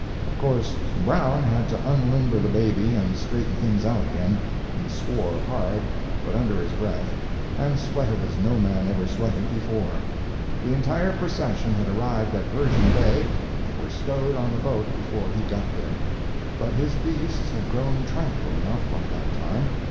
Of course, Brown had to unlimber the baby and straighten things out again. He swore hard, but under his breath, and sweated as no man ever sweated before. The entire procession had arrived at Virgin Bay and were stowed on the boat before he got there. But his beasts had grown tranquil enough by that time.